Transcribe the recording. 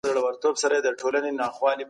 نوی دوران نوې غوښتنې لري.